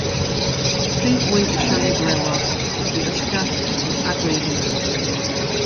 Prif fwyd y siani flewog ydy ysgall a gweiriau.